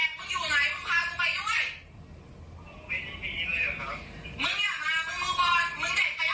มึงอย่ามามึงมือบอลมึงเด็ดไปแล้วฮะ